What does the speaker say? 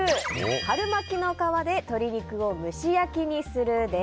春巻きの皮で鶏肉を蒸し焼きにするです。